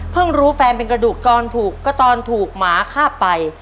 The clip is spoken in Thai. เพิ่งรู้แฟนเป็นกระดูกตอนถูกก็ตอนถูกมาข้าไป